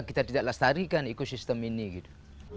kita tidak lestarikan ekosistem ini gitu